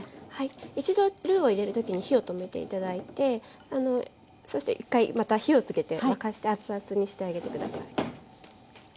一度ルーを入れるときに火を止めていただいてそして１回また火をつけて沸かして熱々にしてあげてください。